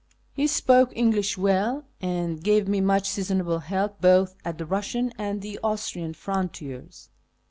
He spoke English well, and gave me much seasonable help both at the Eussiau and the Austrian frontiers.